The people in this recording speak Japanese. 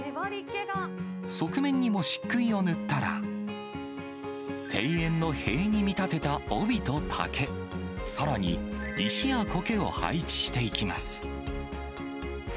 側面にもしっくいを塗ったら、庭園の塀に見立てた帯と竹、さらに石やこけを配置していきます。